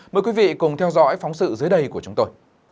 mời quý vị cùng theo dõi phóng sự dưới đây của chúng tôi